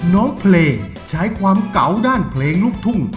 น้องเพลย์ใช้ความเก่าด้านเพลงลูกทุ่ง